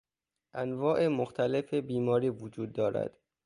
انواع مختلف بیماری وجود دارد.